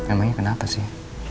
emangnya kenapa sih